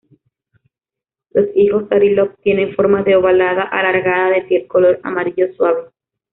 Los higos Sari Lop tienen forma de ovalada alargada, de piel color amarillo suave.